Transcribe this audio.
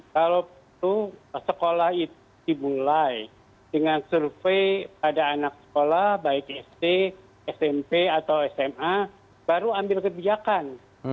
kalau perlu sekolah itu dimulai dengan survei pada anak sekolah baik sd smp atau sma baru ambil kebijakan